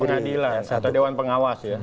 pengadilan atau dewan pengawas ya